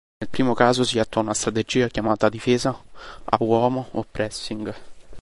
Nel primo caso si attua una strategia chiamata "difesa a uomo" o "pressing".